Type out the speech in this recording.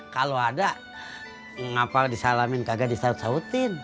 kalau ada disalamin kagak disaut sautin